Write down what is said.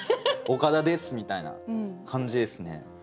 「岡田です」みたいな感じですね。